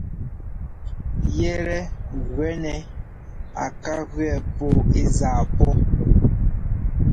Yɛ́tɛ́ gɛ nɛ́ á ká jʉɛ pɔɔ ɛ́ zaa pɔ́.